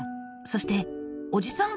そしておじさん